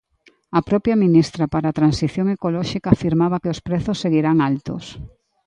A propia ministra para a Transición Ecolóxica afirmaba que os prezos seguirán altos.